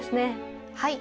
はい。